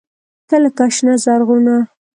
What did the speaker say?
تۀ لکه “شنه زرغونه”